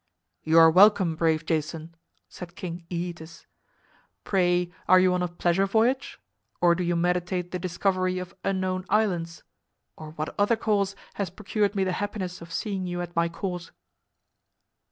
"You are welcome, brave Jason," said King Æetes. "Pray, are you on a pleasure voyage? or do you meditate the discovery of unknown islands? or what other cause has procured me the happiness of seeing you at my court?"